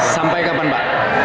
sampai kapan pak